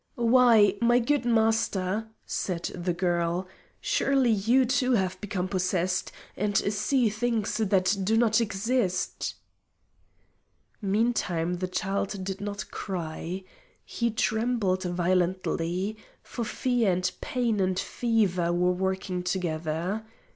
"Why, my good Master," said the girl, "surely you, too, have become possessed, and see things that do not exist." Meantime the child did not cry. He trembled violently; for fear, and pain, and fever were working together.